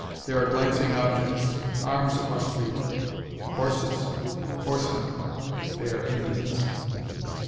There are glancing objects: arms it must be. "Horses! horsemen! They are Indians!"